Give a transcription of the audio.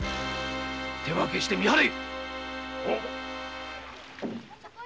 手分けして見張れ